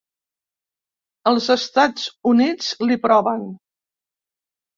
Els Estats Units li proven.